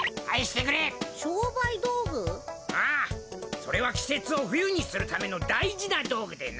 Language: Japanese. それはきせつを冬にするための大事な道具でな。